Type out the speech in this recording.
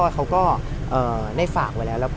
เขาจะบอกอย่างไร